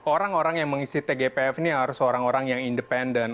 orang orang yang mengisi tgpf ini harus orang orang yang independen